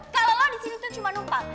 kalau lo disini tuh cuma numpang